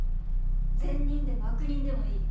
善人でも悪人でもいい。